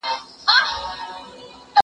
زه به سبا ليکنه کوم؟!